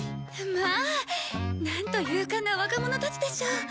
まあなんと勇敢な若者たちでしょう。